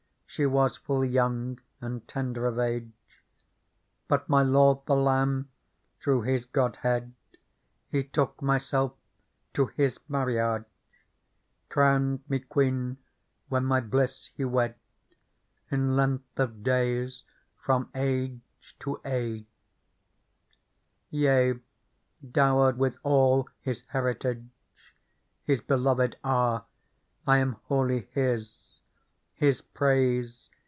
She was full young and tender of age ; But my Lord the Lamb, through His Godhead, He took myself to His marriage, Crowned me queen when my iS^uT^e wed, In length of days from age to age. Yea, dowered with all His heritage His beloved are ; I am wholly His ; His praise.